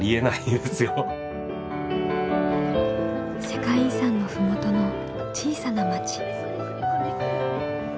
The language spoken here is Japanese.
世界遺産の麓の小さな町。